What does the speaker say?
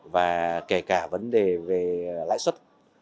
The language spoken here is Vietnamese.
và kể cả vấn đề về lãi xuất